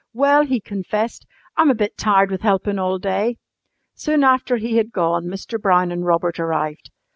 "Well," he confessed, "I'm a bit tired with helpin' all day." Soon after he had gone Mr. Brown and Robert arrived.